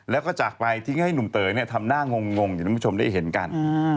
แล้วก็จากไปทิ้งให้ลุงเต๋อเนี่ยทำหน้างงงอย่างคุณผู้ชมได้เห็นกัน